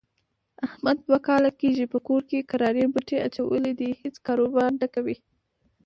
احمد دوه کاله کېږي په کور کرارې مټې اچولې دي، هېڅ کاروبار نه کوي.